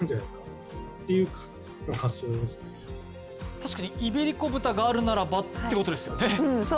確かにイベリコ豚があるならばということですよね。